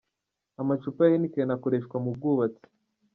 Amacupa ya Heineken akoreshwa mu bwubatsi.